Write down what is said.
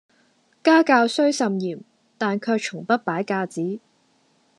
家教雖甚嚴，但卻從不擺架子